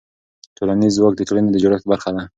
ټولنیز ځواک د ټولنې د جوړښت برخه ده.